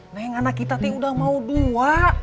nek anak kita teh udah mau dua